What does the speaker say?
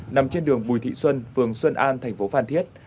nằm trên đường bùi thị xuân phường xuân an thành phố phan thiết